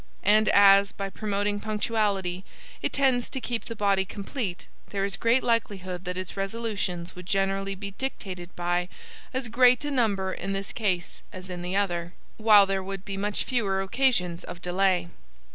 And as, by promoting punctuality, it tends to keep the body complete, there is great likelihood that its resolutions would generally be dictated by as great a number in this case as in the other; while there would be much fewer occasions of delay.